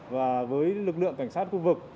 và với lực lượng cảnh sát khu vực